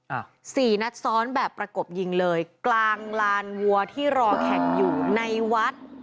อ่ะสี่นัดซ้อนแบบประกบยิงเลยกลางลานวัวที่รอแข่งอยู่ในวัด